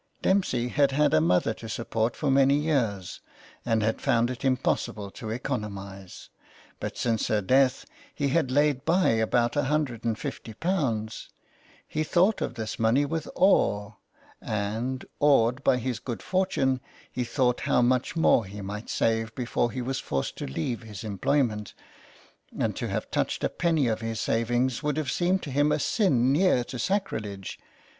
Dempsey had had a mother to support for many years, and had found it impossible to economise. But since her death he had laid by about ;^I50 ; he thought of this money with awe, and, awed by his good fortune, he thought how much more he might save before he was forced to leave his employment ; and to have touched a penny of his savings would have seemed to him a sin near to sacrilege.